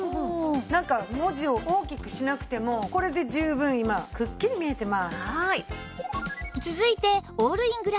なんか文字を大きくしなくてもこれで十分今くっきり見えてます。